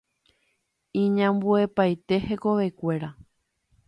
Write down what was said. Iñambuepaite hekovekuéra.